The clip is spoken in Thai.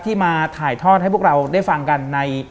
มาถ่ายทอดให้พวกเราได้ฟังกันใน